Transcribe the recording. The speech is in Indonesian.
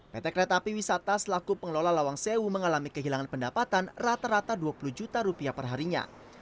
pt kereta api wisata selaku pengelola lawang sewu mengalami kehilangan pendapatan rata rata dua puluh juta rupiah perharinya